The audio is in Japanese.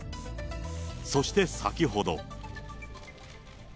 そして先ほど。